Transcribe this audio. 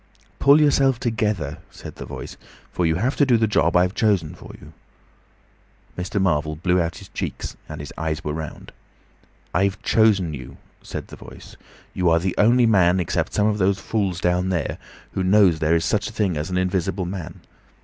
"Pull yourself together," said the Voice, "for you have to do the job I've chosen for you." Mr. Marvel blew out his cheeks, and his eyes were round. "I've chosen you," said the Voice. "You are the only man except some of those fools down there, who knows there is such a thing as an invisible man.